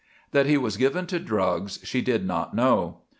That he was given to drugs she did not know.